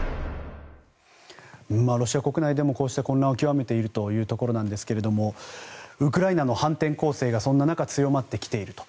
ロシア国内でもこうした混乱を極めているということですがウクライナの反転攻勢がそんな中、強まってきていると。